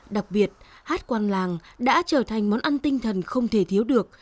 đặc biệt hát quan làng đã trở thành món ăn tinh thần không thể thiếu được